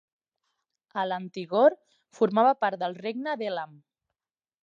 A l'antigor formava part del Regne d'Elam.